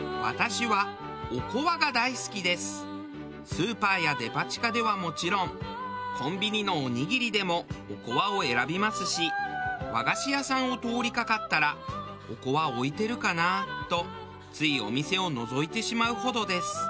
スーパーやデパ地下ではもちろんコンビニのおにぎりでもおこわを選びますし和菓子屋さんを通りかかったらおこわ置いてるかな？とついお店をのぞいてしまうほどです。